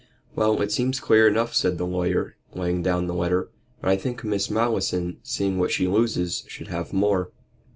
"Well, it seems clear enough," said the lawyer, laying down the letter, "but I think Miss Malleson, seeing what she loses, should have more."